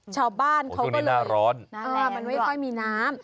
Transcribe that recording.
ชาวบ้านเขาก็เลยเออมันไม่ค่อยมีน้ำ